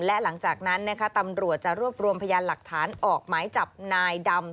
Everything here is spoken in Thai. และหลังจากนั้นนะคะตำรวจจะรวบรวมพยานหลักฐานออกหมายจับนายดำ